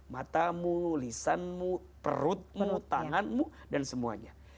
matamu lisanmu perutmu tanganmu dan semuanya